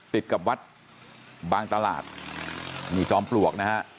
ติดกับวัดบางตลาดนี่จอมปลวกนะฮะ